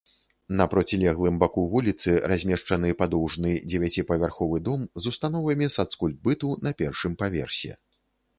На процілеглым баку вуліцы размешчаны падоўжны дзевяціпавярховы дом з установамі сацкультбыту на першым паверсе.